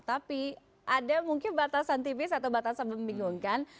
tapi ada mungkin batasan tipis atau batasan membingungkan